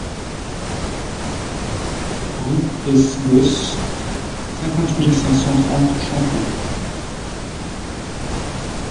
Rue es Gosse, cinquante mille cinq cent trente Champeaux